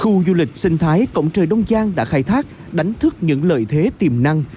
khu du lịch sinh thái cổng trời đông giang đã khai thác đánh thức những lợi thế tiềm năng